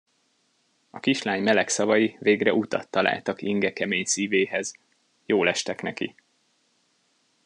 A kislány meleg szavai végre utat találtak Inge kemény szívéhez; jólestek neki.